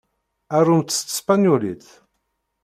Arumt s tespenyulit.